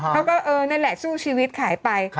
แล้วก็นั่นแหละสู้ชีวิตขายไป